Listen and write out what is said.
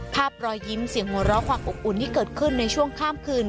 ภาพรอยยิ้มเสียงหัวเราะความอบอุ่นที่เกิดขึ้นในช่วงข้ามคืน